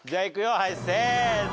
はいせーの。